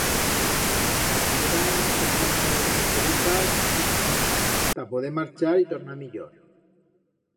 Yeran coma una mena de carreteretas chiquininas, ta poder marchar y tornar millor.